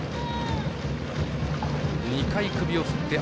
２回首を振って。